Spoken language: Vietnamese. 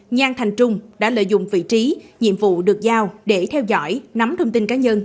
nhan thành trung đã lợi dụng vị trí nhiệm vụ được giao để theo dõi nắm thông tin cá nhân